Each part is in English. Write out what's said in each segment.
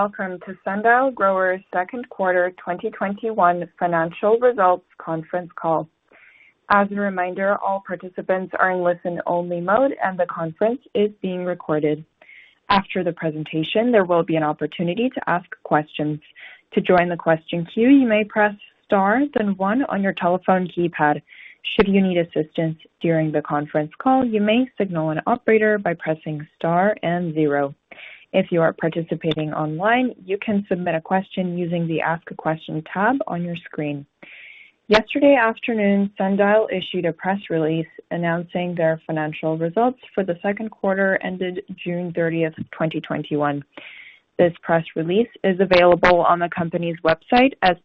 Welcome to Sundial Growers Q2 2021 financial results conference call. As a reminder, all participants are in listen-only mode, and the conference is being recorded. After the presentation, there will be an opportunity to ask questions. To join the question queue, you may press star then one on your telephone keypad. Should you need assistance during the conference call, you may signal an operator by pressing star and zero. If you are participating online, you can submit a question using the "Ask a Question" tab on your screen. Yesterday afternoon, Sundial issued a press release announcing their financial results for the Q2 ended June 30th, 2021. This press release is available on the company's website at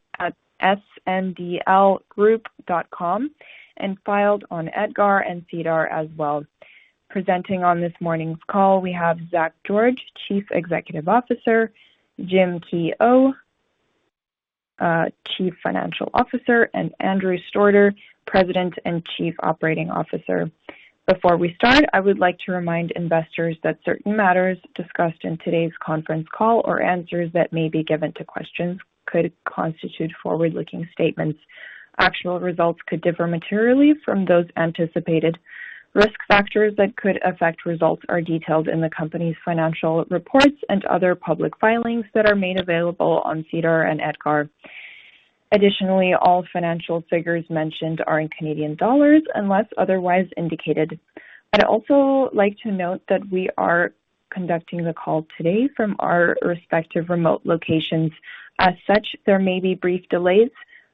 sndlgroup.com and filed on EDGAR and SEDAR as well. Presenting on this morning's call, we have Zach George, Chief Executive Officer, Jim Keough, Chief Financial Officer, and Andrew Stordeur, President and Chief Operating Officer. Before we start, I would like to remind investors that certain matters discussed in today's conference call or answers that may be given to questions could constitute forward-looking statements. Actual results could differ materially from those anticipated. Risk factors that could affect results are detailed in the company's financial reports and other public filings that are made available on SEDAR and EDGAR. Additionally, all financial figures mentioned are in Canadian dollars unless otherwise indicated. I'd also like to note that we are conducting the call today from our respective remote locations. As such, there may be brief delays,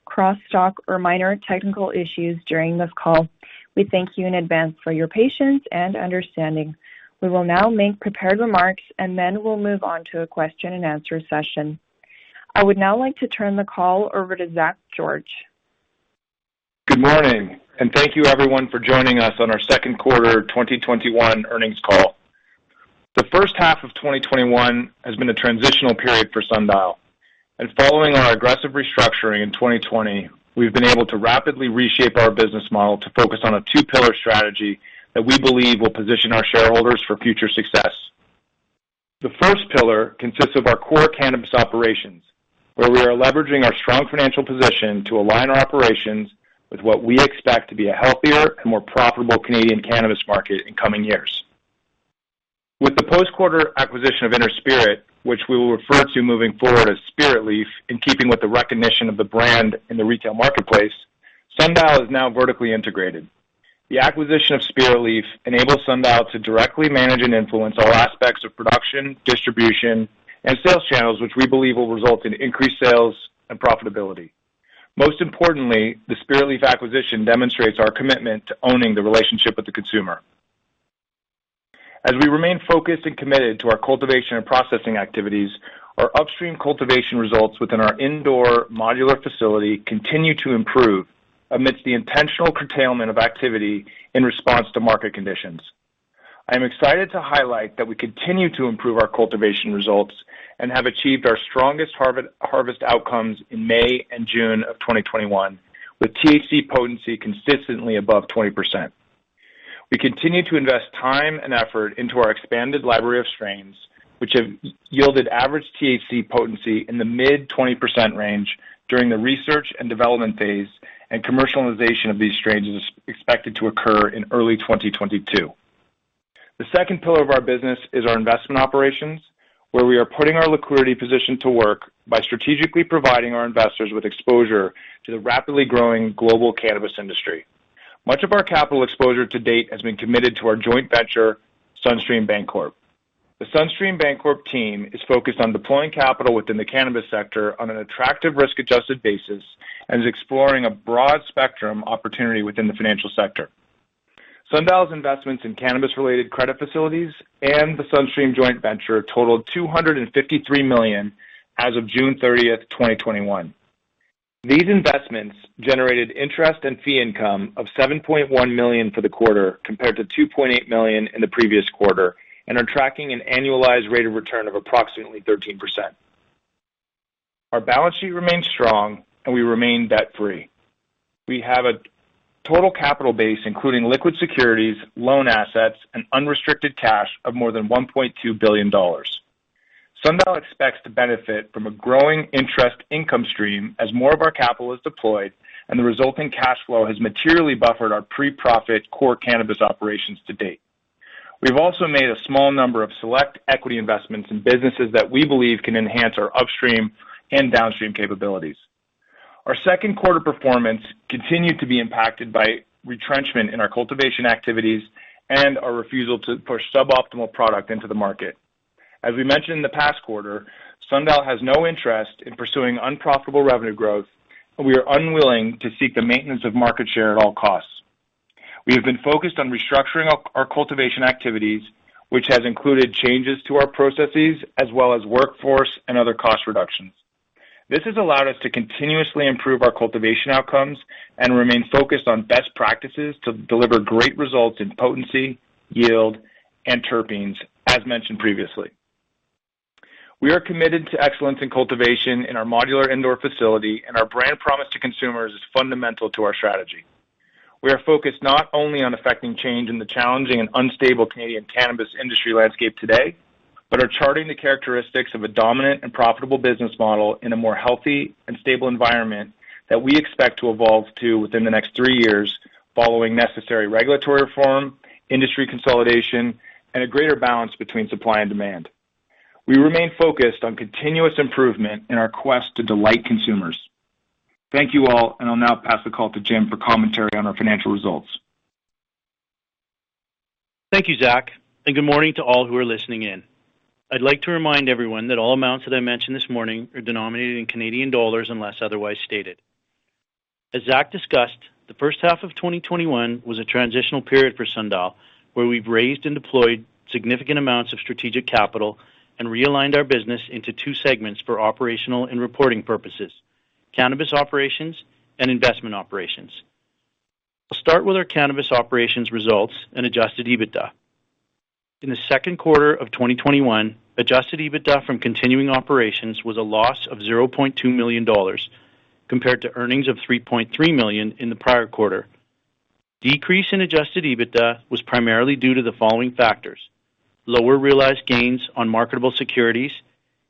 crosstalk, or minor technical issues during this call. We thank you in advance for your patience and understanding. We will now make prepared remarks, and then we'll move on to a question-and-answer session. I would now like to turn the call over to Zach George. Good morning, thank you everyone for joining us on our Q2 2021 earnings call. The H1 of 2021 has been a transitional period for Sundial, and following our aggressive restructuring in 2020, we've been able to rapidly reshape our business model to focus on a two-pillar strategy that we believe will position our shareholders for future success. The first pillar consists of our core cannabis operations, where we are leveraging our strong financial position to align our operations with what we expect to be a healthier and more profitable Canadian cannabis market in coming years. With the post-quarter acquisition of Inner Spirit, which we will refer to moving forward as Spiritleaf, in keeping with the recognition of the brand in the retail marketplace, Sundial is now vertically integrated. The acquisition of Spiritleaf enables Sundial to directly manage and influence all aspects of production, distribution, and sales channels, which we believe will result in increased sales and profitability. Most importantly, the Spiritleaf acquisition demonstrates our commitment to owning the relationship with the consumer. As we remain focused and committed to our cultivation and processing activities, our upstream cultivation results within our indoor modular facility continue to improve amidst the intentional curtailment of activity in response to market conditions. I am excited to highlight that we continue to improve our cultivation results and have achieved our strongest harvest outcomes in May and June of 2021, with THC potency consistently above 20%. We continue to invest time and effort into our expanded library of strains, which have yielded average THC potency in the mid-20% range during the research and development phase, and commercialization of these strains is expected to occur in early 2022. The second pillar of our business is our investment operations, where we are putting our liquidity position to work by strategically providing our investors with exposure to the rapidly growing global cannabis industry. Much of our capital exposure to date has been committed to our joint venture, SunStream Bancorp. The SunStream Bancorp team is focused on deploying capital within the cannabis sector on an attractive risk-adjusted basis and is exploring a broad spectrum opportunity within the financial sector. SNDL's investments in cannabis-related credit facilities and the SunStream joint venture totaled 253 million as of June 30th, 2021. These investments generated interest and fee income of 7.1 million for the quarter, compared to 2.8 million in the previous quarter, and are tracking an annualized rate of return of approximately 13%. Our balance sheet remains strong, and we remain debt-free. We have a total capital base, including liquid securities, loan assets, and unrestricted cash of more than 1.2 billion dollars. Sundial expects to benefit from a growing interest income stream as more of our capital is deployed, and the resulting cash flow has materially buffered our pre-profit core cannabis operations to date. We've also made a small number of select equity investments in businesses that we believe can enhance our upstream and downstream capabilities. Our Q2 performance continued to be impacted by retrenchment in our cultivation activities and our refusal to push suboptimal product into the market. As we mentioned in the past quarter, Sundial has no interest in pursuing unprofitable revenue growth, and we are unwilling to seek the maintenance of market share at all costs. We have been focused on restructuring our cultivation activities, which has included changes to our processes as well as workforce and other cost reductions. This has allowed us to continuously improve our cultivation outcomes and remain focused on best practices to deliver great results in potency, yield, and terpenes, as mentioned previously. We are committed to excellence in cultivation in our modular indoor facility, and our brand promise to consumers is fundamental to our strategy. We are focused not only on affecting change in the challenging and unstable Canadian cannabis industry landscape today, but are charting the characteristics of a dominant and profitable business model in a more healthy and stable environment that we expect to evolve to within the next three years following necessary regulatory reform, industry consolidation, and a greater balance between supply and demand. We remain focused on continuous improvement in our quest to delight consumers. Thank you all, and I'll now pass the call to Jim for commentary on our financial results. Thank you, Zach. Good morning to all who are listening in. I'd like to remind everyone that all amounts that I mention this morning are denominated in Canadian dollars unless otherwise stated. As Zach discussed, the H1 of 2021 was a transitional period for Sundial, where we've raised and deployed significant amounts of strategic capital and realigned our business into two segments for operational and reporting purposes, cannabis operations and investment operations. I'll start with our cannabis operations results and adjusted EBITDA. In the Q2 of 2021, adjusted EBITDA from continuing operations was a loss of 0.2 million dollars, compared to earnings of 3.3 million in the prior quarter. Decrease in adjusted EBITDA was primarily due to the following factors: lower realized gains on marketable securities,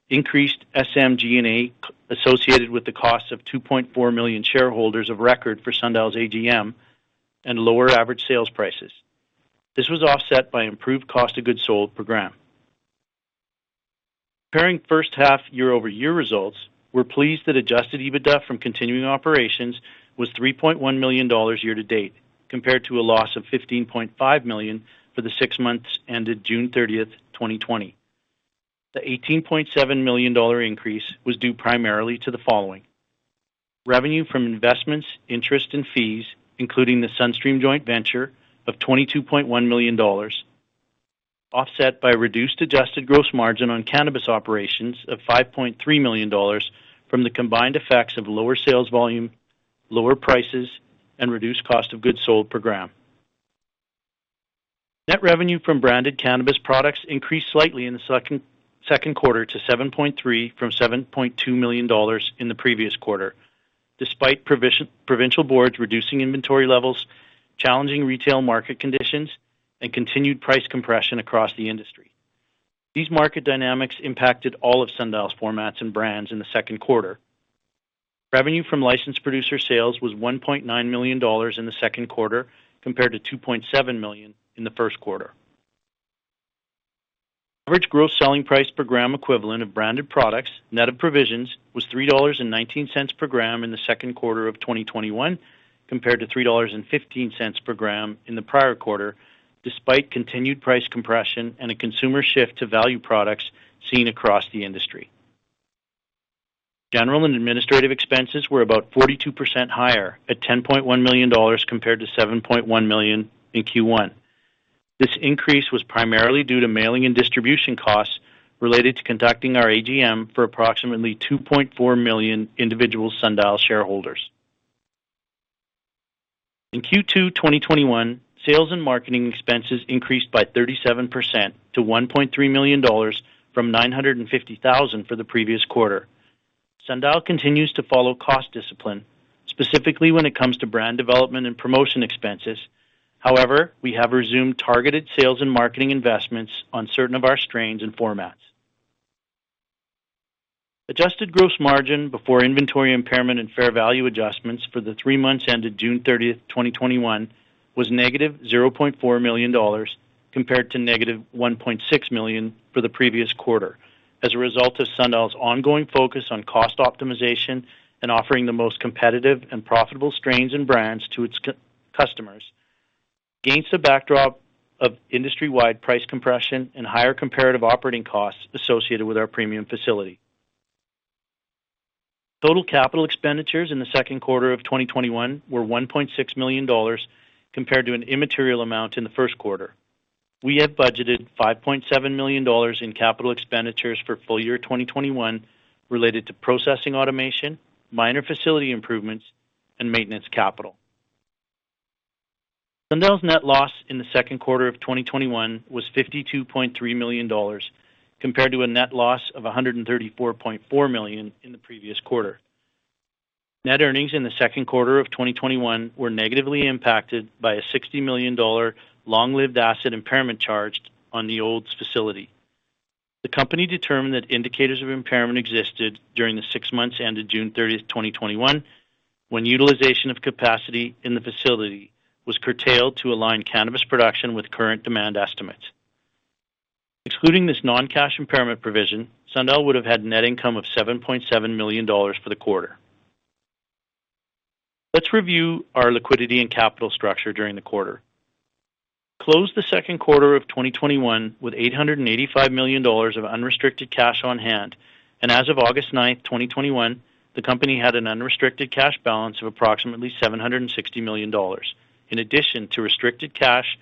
increased SG&A associated with the cost of 2.4 million shareholders of record for Sundial's AGM, and lower average sales prices. This was offset by improved cost of goods sold per gram. Comparing first-half year-over-year results, we are pleased that adjusted EBITDA from continuing operations was 3.1 million dollars year to date, compared to a loss of 15.5 million for the six months ended June 30th, 2020. The 18.7 million dollar increase was due primarily to the following: revenue from investments, interest, and fees, including the SunStream joint venture of 22.1 million dollars, offset by reduced adjusted gross margin on cannabis operations of 5.3 million dollars from the combined effects of lower sales volume, lower prices, and reduced cost of goods sold per gram. Net revenue from branded cannabis products increased slightly in the Q2 to 7.3 million from 7.2 million dollars in the previous quarter, despite provincial boards reducing inventory levels, challenging retail market conditions, and continued price compression across the industry. These market dynamics impacted all of SNDL's formats and brands in the Q2. Revenue from licensed producer sales was 1.9 million dollars in the Q2, compared to 2.7 million in the Q1. Average gross selling price per gram equivalent of branded products, net of provisions, was 3.19 dollars per gram in the Q2 of 2021, compared to 3.15 dollars per gram in the prior quarter, despite continued price compression and a consumer shift to value products seen across the industry. General and administrative expenses were about 42% higher at 10.1 million dollars compared to 7.1 million in Q1. This increase was primarily due to mailing and distribution costs related to conducting our AGM for approximately 2.4 million individual SNDL shareholders. In Q2 2021, sales and marketing expenses increased by 37% to 1.3 million dollars from 950,000 for the previous quarter. Sundial continues to follow cost discipline, specifically when it comes to brand development and promotion expenses. We have resumed targeted sales and marketing investments on certain of our strains and formats. Adjusted gross margin before inventory impairment and fair value adjustments for the three months ended June 30th, 2021 was negative 0.4 million dollars compared to negative 1.6 million for the previous quarter as a result of Sundial's ongoing focus on cost optimization and offering the most competitive and profitable strains and brands to its customers against the backdrop of industry-wide price compression and higher comparative operating costs associated with our premium facility. Total capital expenditures in the Q2 of 2021 were 1.6 million dollars compared to an immaterial amount in the Q1. We have budgeted 5.7 million dollars in capital expenditures for full year 2021 related to processing automation, minor facility improvements, and maintenance capital. Sundial's net loss in the Q2 of 2021 was 52.3 million dollars, compared to a net loss of 134.4 million in the previous quarter. Net earnings in the Q2 of 2021 were negatively impacted by a 60 million dollar long-lived asset impairment charge on the Olds facility. The company determined that indicators of impairment existed during the six months ended June 30th, 2021, when utilization of capacity in the facility was curtailed to align cannabis production with current demand estimates. Excluding this non-cash impairment provision, Sundial would have had net income of 7.7 million dollars for the quarter. Let's review our liquidity and capital structure during the quarter. We closed the Q2 of 2021 with 885 million dollars of unrestricted cash on hand. As of August 9th, 2021, the company had an unrestricted cash balance of approximately 760 million dollars. In addition to restricted cash,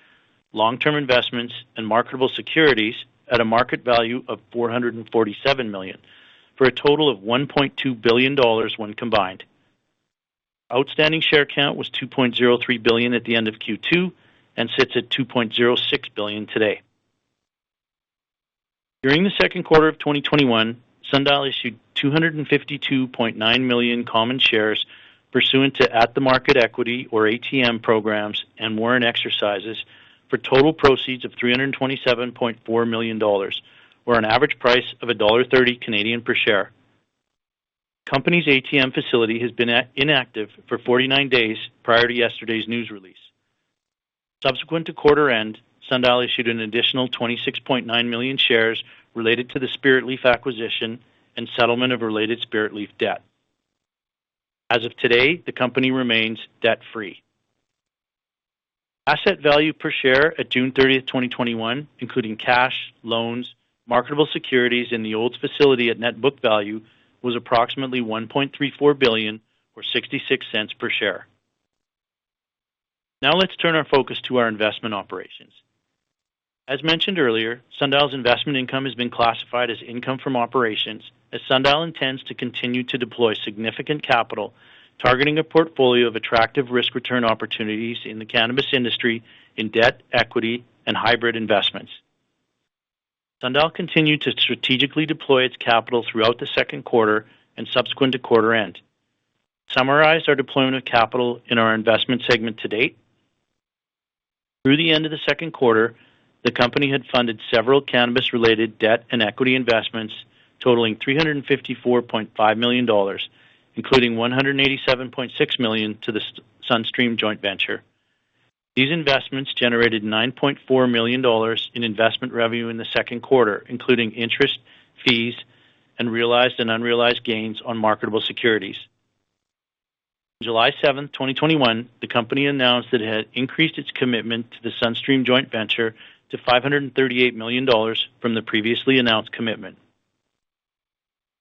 long-term investments, and marketable securities at a market value of 447 million, for a total of 1.2 billion dollars when combined. Outstanding share count was 2.03 billion at the end of Q2 and sits at 2.06 billion today. During the Q2 of 2021, Sundial issued 252.9 million common shares pursuant to at-the-market equity or ATM programs and warrant exercises for total proceeds of 327.4 million dollars, or an average price of 1.30 Canadian dollars per share. Company's ATM facility has been inactive for 49 days prior to yesterday's news release. Subsequent to quarter end, Sundial issued an additional 26.9 million shares related to the Spiritleaf acquisition and settlement of related Spiritleaf debt. As of today, the company remains debt-free. Asset value per share at June 30th, 2021, including cash, loans, marketable securities in the Olds facility at net book value was approximately 1.34 billion or 0.66 per share. Let's turn our focus to our investment operations. As mentioned earlier, SNDL's investment income has been classified as income from operations, as SNDL intends to continue to deploy significant capital targeting a portfolio of attractive risk-return opportunities in the cannabis industry in debt, equity, and hybrid investments. SNDL continued to strategically deploy its capital throughout the Q2 and subsequent to quarter end. Summarize our deployment of capital in our investment segment to date. Through the end of the Q2, the company had funded several cannabis-related debt and equity investments totaling 354.5 million dollars, including 187.6 million to the SunStream joint venture. These investments generated 9.4 million dollars in investment revenue in the Q2, including interest, fees, and realized and unrealized gains on marketable securities. On July 7th, 2021, the company announced that it had increased its commitment to the SunStream joint venture to 538 million dollars from the previously announced commitment.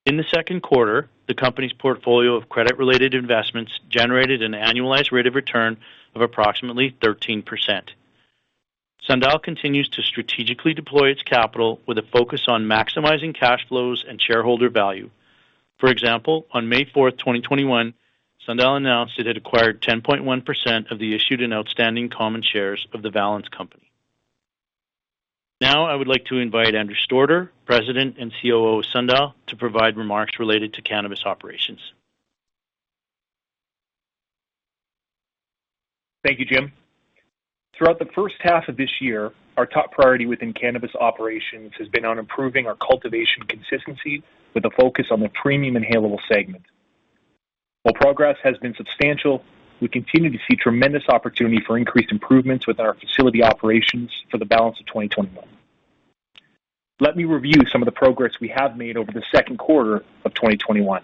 In the Q2, the company's portfolio of credit-related investments generated an annualized rate of return of approximately 13%. Sundial continues to strategically deploy its capital with a focus on maximizing cash flows and shareholder value. For example, on May 4th, 2021, Sundial announced it had acquired 10.1% of the issued and outstanding common shares of The Valens Company Inc. I would like to invite Andrew Stordeur, President and COO of Sundial, to provide remarks related to cannabis operations. Thank you, Jim. Throughout the H1 of this year, our top priority within cannabis operations has been on improving our cultivation consistency with a focus on the premium inhalable segment. While progress has been substantial, we continue to see tremendous opportunity for increased improvements with our facility operations for the balance of 2021. Let me review some of the progress we have made over the Q2 of 2021.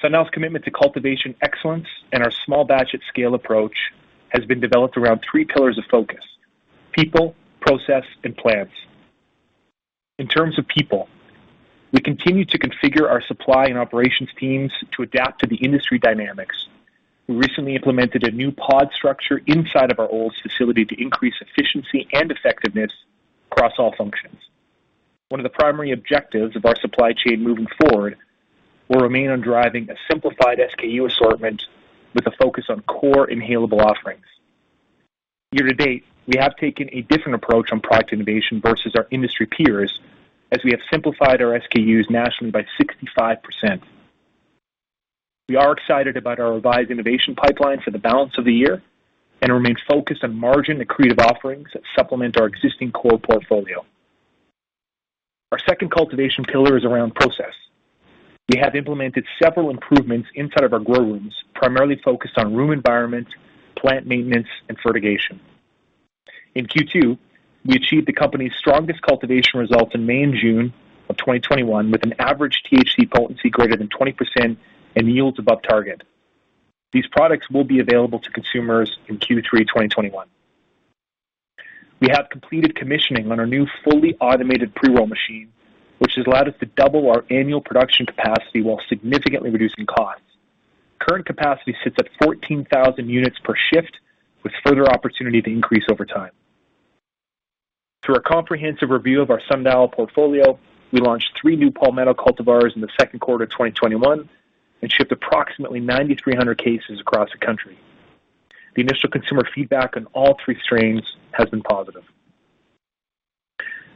Sundial's commitment to cultivation excellence and our small batch at scale approach has been developed around three pillars of focus, people, process, and plants. In terms of people, we continue to configure our supply and operations teams to adapt to the industry dynamics. We recently implemented a new pod structure inside of our Olds facility to increase efficiency and effectiveness across all functions. One of the primary objectives of our supply chain moving forward will remain on driving a simplified SKU assortment with a focus on core inhalable offerings. Year to date, we have taken a different approach on product innovation versus our industry peers, as we have simplified our SKUs nationally by 65%. We are excited about our revised innovation pipeline for the balance of the year and remain focused on margin-accretive offerings that supplement our existing core portfolio. Our second cultivation pillar is around process. We have implemented several improvements inside of our grow rooms, primarily focused on room environment, plant maintenance, and fertigation. In Q2, we achieved the company's strongest cultivation results in May and June of 2021 with an average THC potency greater than 20% and yields above target. These products will be available to consumers in Q3 2021. We have completed commissioning on our new fully automated pre-roll machine, which has allowed us to double our annual production capacity while significantly reducing costs. Current capacity sits at 14,000 units per shift, with further opportunity to increase over time. Through our comprehensive review of our Sundial portfolio, we launched three new Palmetto cultivars in the Q2 of 2021 and shipped approximately 9,300 cases across the country. The initial consumer feedback on all three strains has been positive.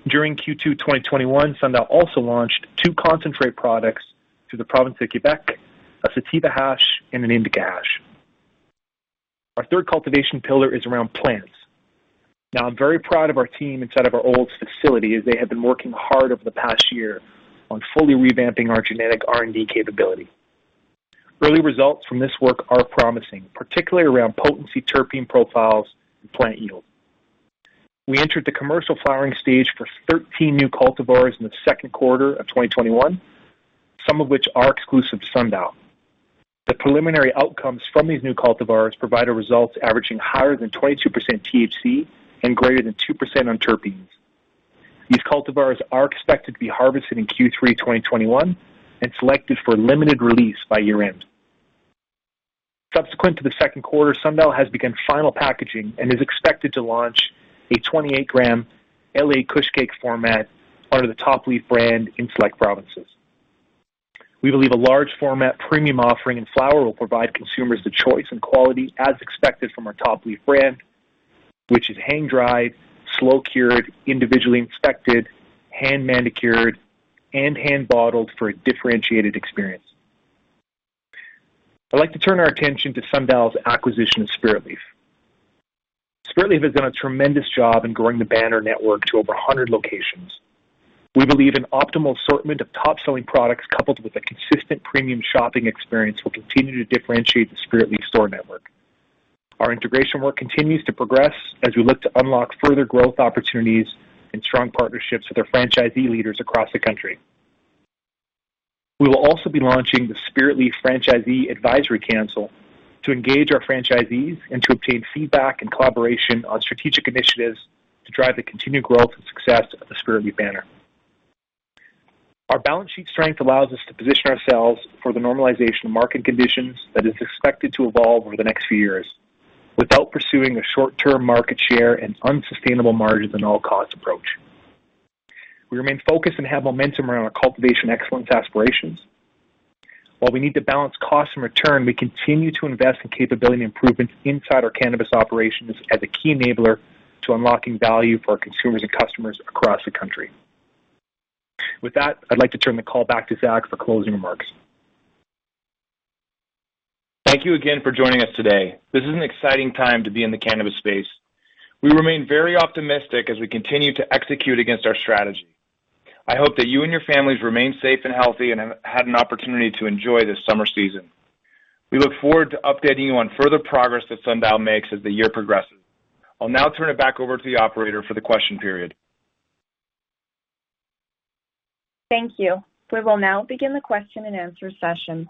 During Q2 2021, Sundial also launched two concentrate products to the province of Quebec, a sativa hash and an indica hash. Our third cultivation pillar is around plants. Now, I'm very proud of our team inside of our Olds facility, as they have been working hard over the past year on fully revamping our genetic R&D capability. Early results from this work are promising, particularly around potency terpene profiles and plant yield. We entered the commercial flowering stage for 13 new cultivars in the Q2 of 2021. Some of which are exclusive to SNDL. The preliminary outcomes from these new cultivars provide a results averaging higher than 22% THC and greater than 2% on terpenes. These cultivars are expected to be harvested in Q3 2021 and selected for limited release by year-end. Subsequent to the Q2, SNDL has begun final packaging and is expected to launch a 28-gram LA Kush Cake format under the Top Leaf brand in select provinces. We believe a large format premium offering in flower will provide consumers the choice and quality as expected from our Top Leaf brand, which is hang-dried, slow-cured, individually inspected, hand-manicured, and hand-bottled for a differentiated experience. I'd like to turn our attention to SNDL's acquisition of Spiritleaf. Spiritleaf has done a tremendous job in growing the banner network to over 100 locations. We believe an optimal assortment of top-selling products coupled with a consistent premium shopping experience will continue to differentiate the Spiritleaf store network. Our integration work continues to progress as we look to unlock further growth opportunities and strong partnerships with our franchisee leaders across the country. We will also be launching the Spiritleaf Franchisee Advisory Council to engage our franchisees and to obtain feedback and collaboration on strategic initiatives to drive the continued growth and success of the Spiritleaf banner. Our balance sheet strength allows us to position ourselves for the normalization of market conditions that is expected to evolve over the next few years without pursuing a short-term market share and unsustainable margins and all-cost approach. We remain focused and have momentum around our cultivation excellence aspirations. While we need to balance cost and return, we continue to invest in capability and improvements inside our cannabis operations as a key enabler to unlocking value for our consumers and customers across the country. With that, I'd like to turn the call back to Zach for closing remarks. Thank you again for joining us today. This is an exciting time to be in the cannabis space. We remain very optimistic as we continue to execute against our strategy. I hope that you and your families remain safe and healthy and have had an opportunity to enjoy this summer season. We look forward to updating you on further progress that Sundial makes as the year progresses. I'll now turn it back over to the operator for the question period. Thank you. We will now begin the question and answer session.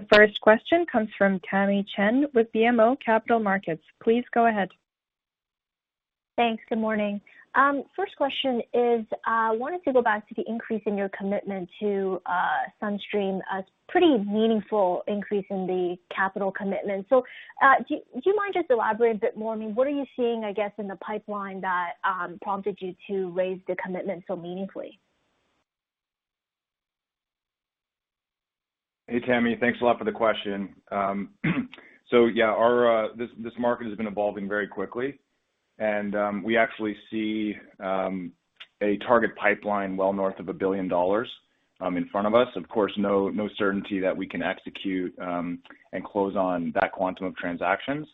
The first question comes from Tamy Chen with BMO Capital Markets. Please go ahead. Thanks. Good morning. First question is, I wanted to go back to the increase in your commitment to Sunstream, a pretty meaningful increase in the capital commitment. Do you mind just elaborating a bit more? I mean, what are you seeing, I guess, in the pipeline that prompted you to raise the commitment so meaningfully? Hey, Tamy. Thanks a lot for the question. Yeah, this market has been evolving very quickly, and we actually see a target pipeline well north of 1 billion dollars in front of us. Of course, no certainty that we can execute and close on that quantum of transactions.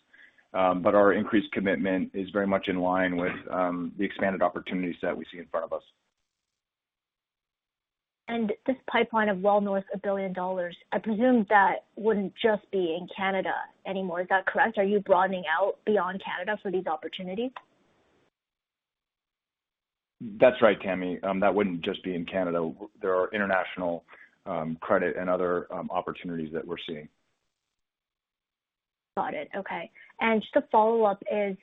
Our increased commitment is very much in line with the expanded opportunities that we see in front of us. This pipeline of well north of 1 billion dollars, I presume that wouldn't just be in Canada anymore. Is that correct? Are you broadening out beyond Canada for these opportunities? That's right, Tamy. That wouldn't just be in Canada. There are international credit and other opportunities that we're seeing. Got it. Okay. Just a follow-up is,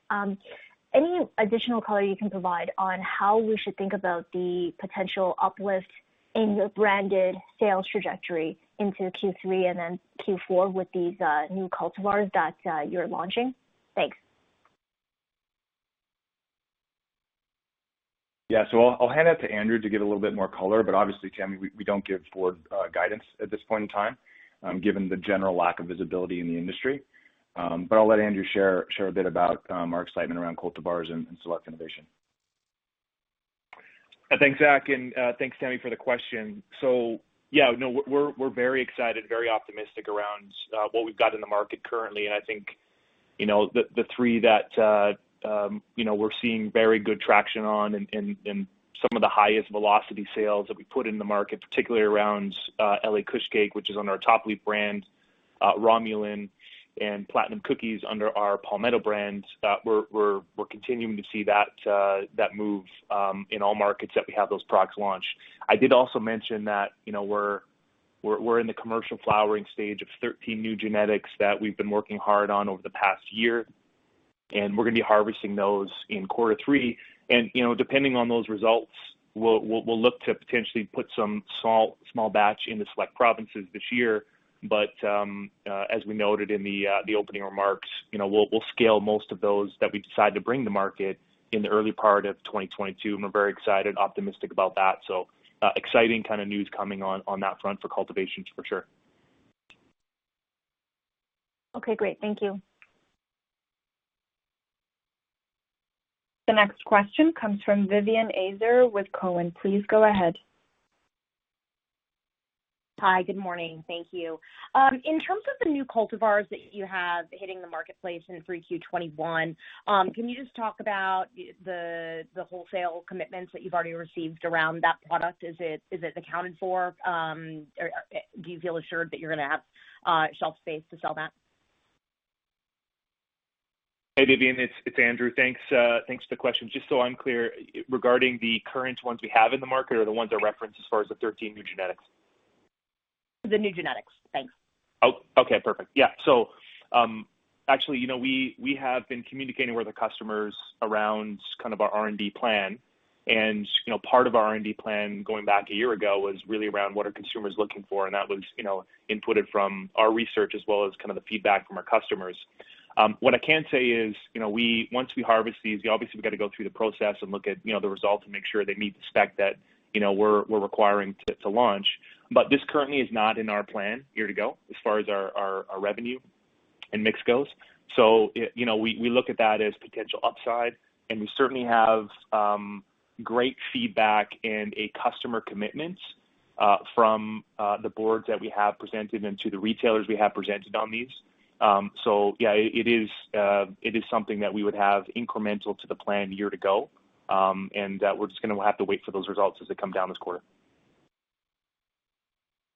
any additional color you can provide on how we should think about the potential uplift in your branded sales trajectory into Q3 and then Q4 with these new cultivars that you're launching? Thanks. Yeah. I'll hand it to Andrew to give a little bit more color, obviously, Tamy, we don't give forward guidance at this point in time, given the general lack of visibility in the industry. I'll let Andrew share a bit about our excitement around cultivars and select innovation. Thanks, Zach, and thanks, Tamy, for the question. Yeah, no, we're very excited, very optimistic around what we've got in the market currently. I think the three that we're seeing very good traction on and some of the highest velocity sales that we put in the market, particularly around L.A. Kush Cake, which is under our Top Leaf brand, Romulan, and Platinum Cookies under our Palmetto brand, we're continuing to see that move in all markets that we have those products launched. I did also mention that we're in the commercial flowering stage of 13 new genetics that we've been working hard on over the past year, and we're going to be harvesting those in quarter three. Depending on those results, we'll look to potentially put some small batch into select provinces this year. As we noted in the opening remarks, we'll scale most of those that we decide to bring to market in the early part of 2022, and we're very excited, optimistic about that. Exciting kind of news coming on that front for cultivations, for sure. Okay, great. Thank you. The next question comes from Vivien Azer with Cowen. Please go ahead. Hi. Good morning. Thank you. In terms of the new cultivars that you have hitting the marketplace in Q3 2021, can you just talk about the wholesale commitments that you've already received around that product? Is it accounted for? Do you feel assured that you're going to have shelf space to sell that? Hey, Vivien, it's Andrew. Thanks for the question. Just so I'm clear, regarding the current ones we have in the market or the ones I referenced as far as the 13 new genetics? The new genetics. Thanks. Okay, perfect. Yeah. Actually, we have been communicating with the customers around our R&D plan. Part of our R&D plan, going back a year ago, was really around what are consumers looking for, and that was inputted from our research as well as the feedback from our customers. What I can say is, once we harvest these, obviously we've got to go through the process and look at the results and make sure they meet the spec that we're requiring to launch. This currently is not in our plan year to go, as far as our revenue and mix goes. We look at that as potential upside, and we certainly have great feedback and a customer commitment from the boards that we have presented and to the retailers we have presented on these. Yeah, it is something that we would have incremental to the plan year to go. We're just going to have to wait for those results as they come down this quarter.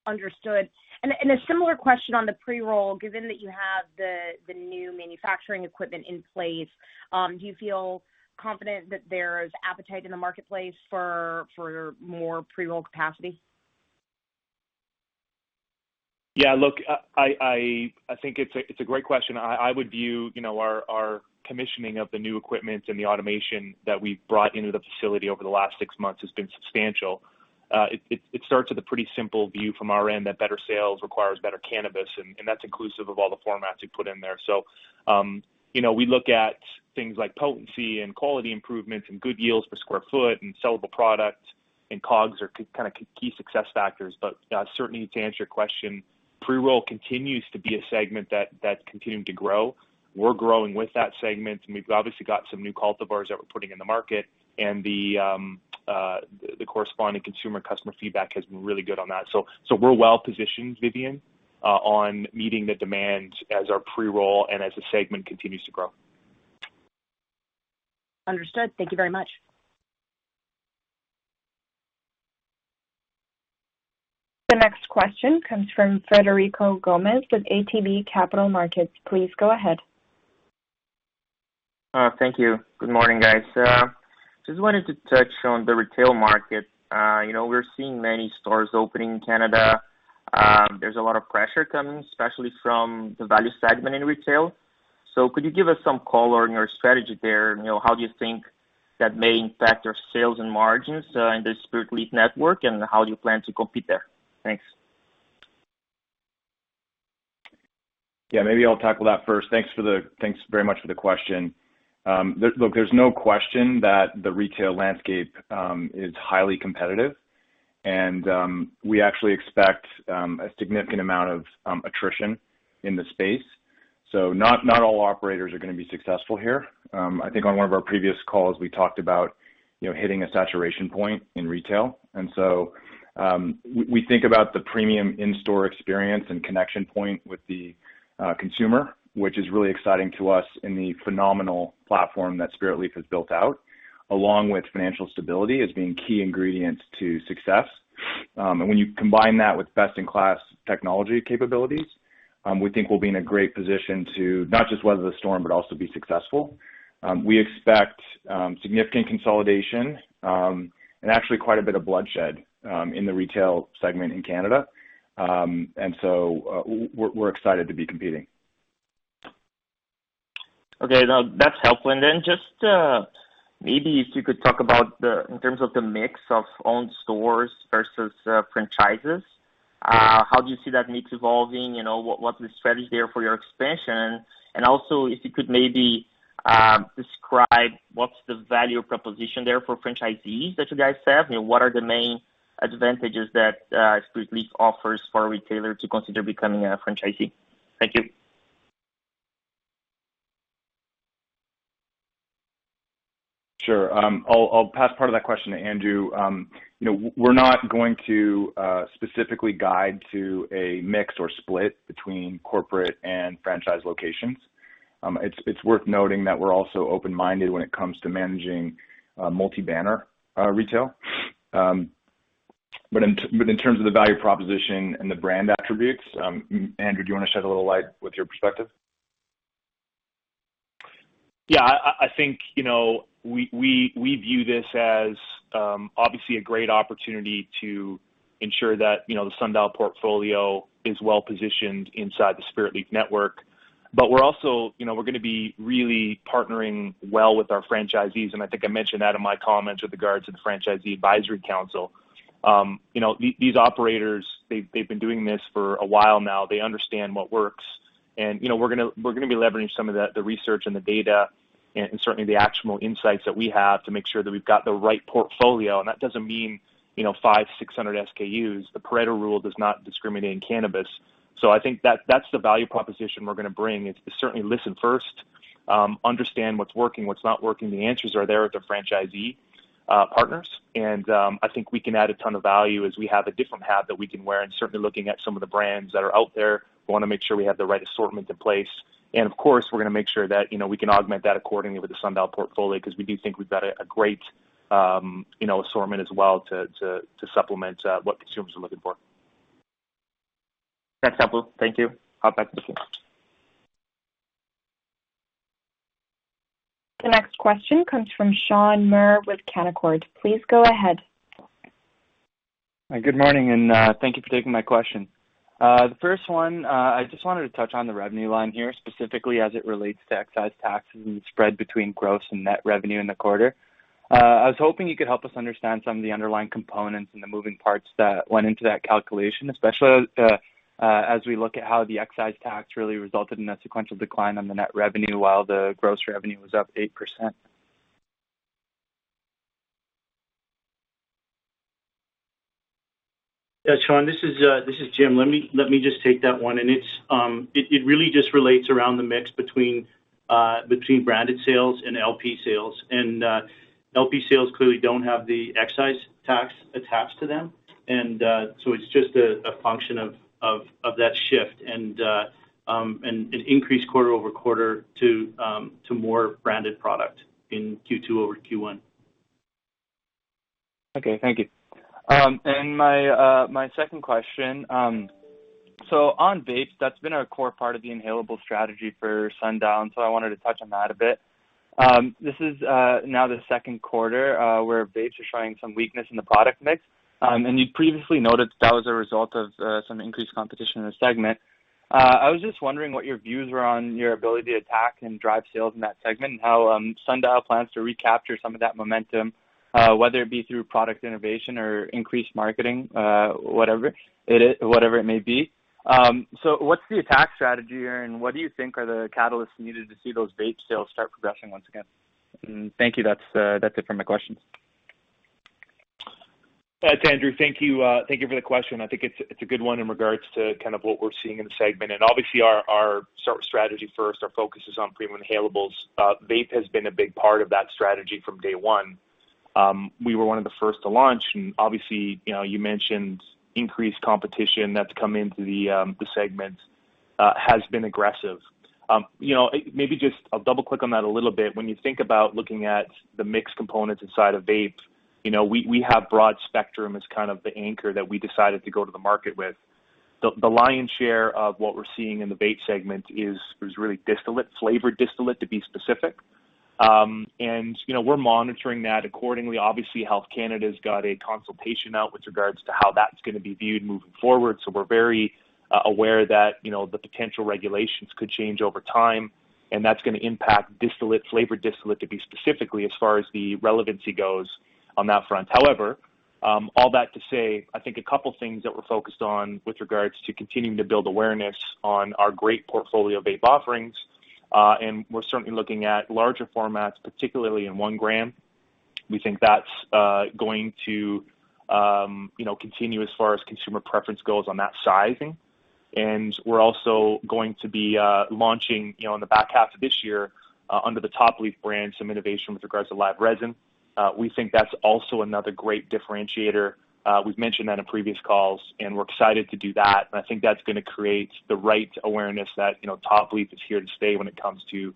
Understood. A similar question on the pre-roll, given that you have the new manufacturing equipment in place, do you feel confident that there's appetite in the marketplace for more pre-roll capacity? Yeah, look, I think it's a great question. I would view our commissioning of the new equipment and the automation that we've brought into the facility over the last six months has been substantial. It starts with a pretty simple view from our end that better sales requires better cannabis, and that's inclusive of all the formats we put in there. We look at things like potency and quality improvements and good yields per square foot and sellable product and COGS are kind of key success factors. Certainly to answer your question, pre-roll continues to be a segment that's continuing to grow. We're growing with that segment, and we've obviously got some new cultivars that we're putting in the market, and the corresponding consumer customer feedback has been really good on that. We're well-positioned, Vivien, on meeting the demand as our pre-roll and as the segment continues to grow. Understood. Thank you very much. The next question comes from Frederico Gomes with ATB Capital Markets. Please go ahead. Thank you. Good morning, guys. Just wanted to touch on the retail market. We're seeing many stores opening in Canada. There's a lot of pressure coming, especially from the value segment in retail. Could you give us some color on your strategy there? How do you think that may impact your sales and margins in the Spiritleaf network, and how do you plan to compete there? Thanks. Yeah, maybe I'll tackle that first. Thanks very much for the question. Look, there's no question that the retail landscape is highly competitive, and we actually expect a significant amount of attrition in the space. Not all operators are going to be successful here. I think on one of our previous calls, we talked about hitting a saturation point in retail. We think about the premium in-store experience and connection point with the consumer, which is really exciting to us in the phenomenal platform that Spiritleaf has built out, along with financial stability as being key ingredients to success. When you combine that with best-in-class technology capabilities, we think we'll be in a great position to not just weather the storm, but also be successful. We expect significant consolidation, and actually quite a bit of bloodshed in the retail segment in Canada. We're excited to be competing. Okay. No, that's helpful. Just maybe if you could talk about in terms of the mix of owned stores versus franchises, how do you see that mix evolving? What's the strategy there for your expansion? Also, if you could maybe describe what's the value proposition there for franchisees that you guys have. What are the main advantages that Spiritleaf offers for a retailer to consider becoming a franchisee? Thank you. Sure. I'll pass part of that question to Andrew. We're not going to specifically guide to a mix or split between corporate and franchise locations. It's worth noting that we're also open-minded when it comes to managing multi-banner retail. In terms of the value proposition and the brand attributes, Andrew, do you want to shed a little light with your perspective? Yeah. I think we view this as obviously a great opportunity to ensure that the Sundial portfolio is well-positioned inside the Spiritleaf network. We're going to be really partnering well with our franchisees, and I think I mentioned that in my comments with regards to the Spiritleaf Franchisee Advisory Council. These operators, they've been doing this for a while now. They understand what works. We're going to be leveraging some of the research and the data and certainly the actionable insights that we have to make sure that we've got the right portfolio. That doesn't mean 500, 600 SKUs. The Pareto principle does not discriminate in cannabis. I think that's the value proposition we're going to bring, is to certainly listen first, understand what's working, what's not working. The answers are there with our franchisee partners. I think we can add a ton of value as we have a different hat that we can wear, and certainly looking at some of the brands that are out there. We want to make sure we have the right assortment in place. Of course, we're going to make sure that we can augment that accordingly with the Sundial portfolio because we do think we've got a great assortment as well to supplement what consumers are looking for. That's helpful. Thank you. I'll pass it to Shaan. The next question comes from Shaan Mir with Canaccord. Please go ahead. Good morning. Thank you for taking my question. The first one, I just wanted to touch on the revenue line here, specifically as it relates to excise taxes and the spread between gross and net revenue in the quarter. I was hoping you could help us understand some of the underlying components and the moving parts that went into that calculation, especially as we look at how the excise tax really resulted in a sequential decline on the net revenue while the gross revenue was up 8%. Yeah, Shaan, this is Jim. Let me just take that one. It really just relates around the mix between branded sales and LP sales. LP sales clearly don't have the excise tax attached to them. It's just a function of that shift and an increased quarter-over-quarter to more branded product in Q2 over Q1. Okay. Thank you. My second question, on vape, that's been a core part of the inhalable strategy for SNDL, I wanted to touch on that a bit. This is now the Q2 where vapes are showing some weakness in the product mix. You previously noted that was a result of some increased competition in the segment. I was just wondering what your views were on your ability to attack and drive sales in that segment and how SNDL plans to recapture some of that momentum, whether it be through product innovation or increased marketing, whatever it may be. What's the attack strategy here, and what do you think are the catalysts needed to see those vape sales start progressing once again? Thank you. That's it for my questions. It's Andrew. Thank you for the question. I think it's a good one in regards to kind of what we're seeing in the segment. Obviously our strategy first, our focus is on premium inhalables. Vape has been a big part of that strategy from day one. We were one of the first to launch, and obviously, you mentioned increased competition that's come into the segment, has been aggressive. Maybe just I'll double-click on that a little bit. When you think about looking at the mixed components inside of vape, we have broad spectrum as kind of the anchor that we decided to go to the market with. The lion's share of what we're seeing in the vape segment is really distillate, flavored distillate, to be specific. We're monitoring that accordingly. Obviously, Health Canada's got a consultation out with regards to how that's going to be viewed moving forward. We're very aware that the potential regulations could change over time, and that's going to impact distillate, flavored distillate to be specifically as far as the relevancy goes on that front. All that to say, I think a couple of things that we're focused on with regards to continuing to build awareness on our great portfolio of vape offerings, and we're certainly looking at larger formats, particularly in 1 gram. We think that's going to continue as far as consumer preference goes on that sizing. We're also going to be launching in the back half of this year under the Top Leaf brand, some innovation with regards to live resin. We think that's also another great differentiator. We've mentioned that in previous calls, and we're excited to do that. I think that's going to create the right awareness that Top Leaf is here to stay when it comes to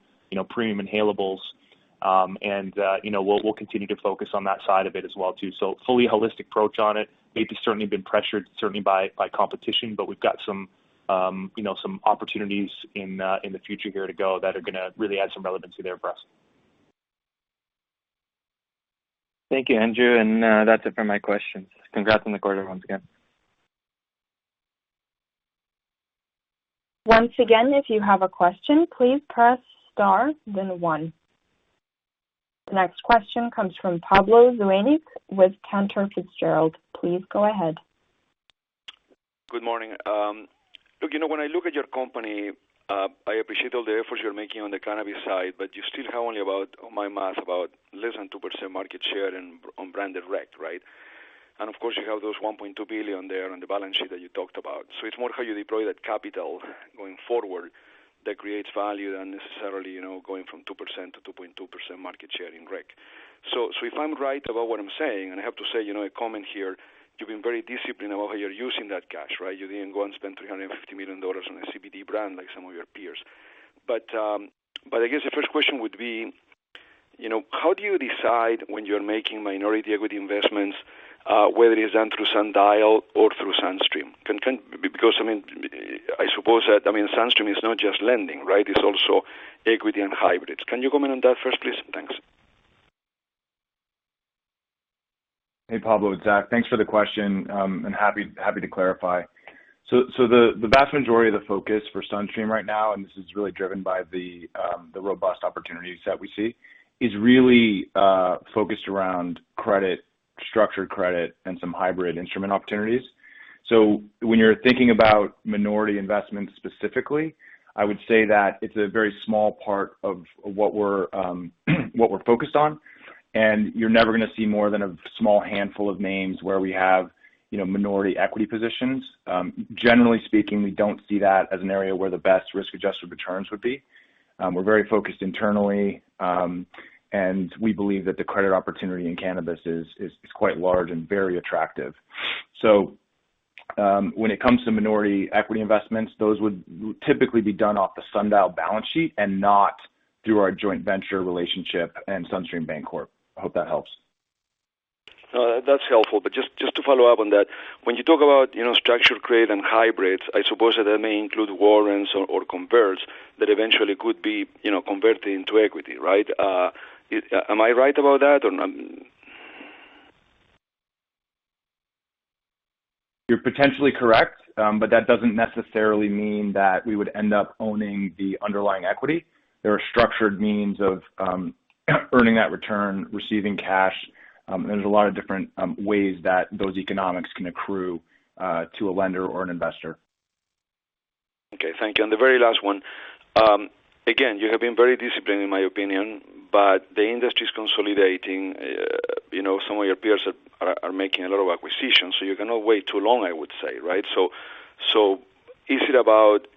premium inhalables. We'll continue to focus on that side of it as well too. Fully holistic approach on it. Vape has certainly been pressured certainly by competition, but we've got some opportunities in the future here to go that are going to really add some relevancy there for us. Thank you, Andrew. That's it for my questions. Congrats on the quarter once again. Once again, if you have a question, please press star then one. The next question comes from Pablo Zuanic with Cantor Fitzgerald. Please go ahead. Good morning. When I look at your company, I appreciate all the efforts you're making on the cannabis side, but you still have only about, my math, about less than 2% market share on branded rec, right? You have those 1.2 billion there on the balance sheet that you talked about. It's more how you deploy that capital going forward that creates value than necessarily going from 2%-2.2% market share in rec. If I'm right about what I'm saying, and I have to say, a comment here, you've been very disciplined about how you're using that cash, right? You didn't go and spend 350 million dollars on a CBD brand like some of your peers. I guess the first question would be, how do you decide when you're making minority equity investments, whether it's done through Sundial or through Sunstream? I suppose that SunStream is not just lending, right? It's also equity and hybrids. Can you comment on that first, please? Thanks. Hey, Pablo. It's Zach. Thanks for the question, and happy to clarify. The vast majority of the focus for Sunstream right now, and this is really driven by the robust opportunities that we see, is really focused around credit, structured credit, and some hybrid instrument opportunities. When you're thinking about minority investments specifically, I would say that it's a very small part of what we're focused on, and you're never going to see more than a small handful of names where we have minority equity positions. Generally speaking, we don't see that as an area where the best risk-adjusted returns would be. We're very focused internally, and we believe that the credit opportunity in cannabis is quite large and very attractive. When it comes to minority equity investments, those would typically be done off the SNDL balance sheet and not through our joint venture relationship and SunStream Bancorp. I hope that helps. No, that's helpful. Just to follow up on that, when you talk about structured credit and hybrids, I suppose that that may include warrants or converts that eventually could be converted into equity, right? Am I right about that or not? You're potentially correct. That doesn't necessarily mean that we would end up owning the underlying equity. There are structured means of earning that return, receiving cash. There's a lot of different ways that those economics can accrue to a lender or an investor. Okay. Thank you. The very last one. Again, you have been very disciplined in my opinion, but the industry's consolidating. Some of your peers are making a lot of acquisitions, so you cannot wait too long, I would say, right? Is it about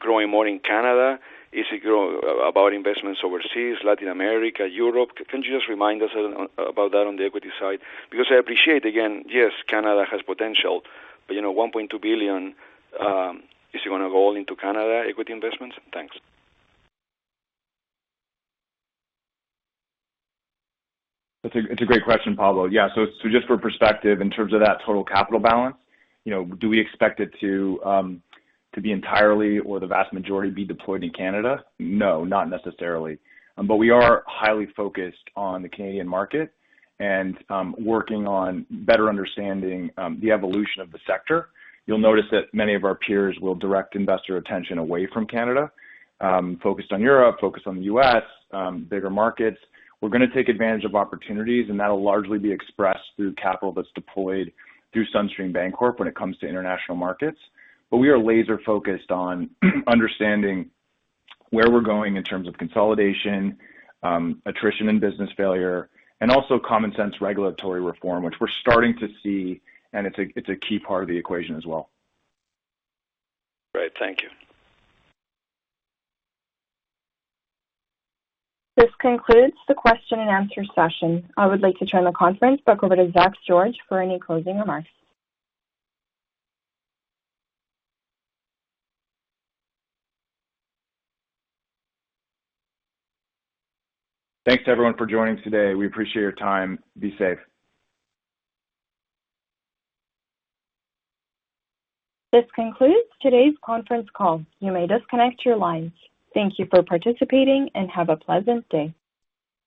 growing more in Canada? Is it about investments overseas, Latin America, Europe? Can you just remind us about that on the equity side? I appreciate, again, yes, Canada has potential, but 1.2 billion, is it going to go all into Canada equity investments? Thanks. It's a great question, Pablo. Yeah. Just for perspective, in terms of that total capital balance, do we expect it to be entirely or the vast majority be deployed in Canada? No, not necessarily. We are highly focused on the Canadian market and working on better understanding the evolution of the sector. You'll notice that many of our peers will direct investor attention away from Canada. Focused on Europe, focused on the U.S., bigger markets. We're going to take advantage of opportunities, and that'll largely be expressed through capital that's deployed through SunStream Bancorp when it comes to international markets. We are laser-focused on understanding where we're going in terms of consolidation, attrition and business failure, and also common sense regulatory reform, which we're starting to see, and it's a key part of the equation as well. Great. Thank you. This concludes the question and answer session. I would like to turn the conference back over to Zach George for any closing remarks. Thanks everyone for joining us today. We appreciate your time. Be safe. This concludes today's conference call. You may disconnect your lines. Thank you for participating, and have a pleasant day.